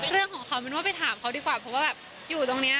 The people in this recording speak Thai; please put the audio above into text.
เรื่องของเขามินว่าไปถามเขาดีกว่าเพราะว่าแบบอยู่ตรงนี้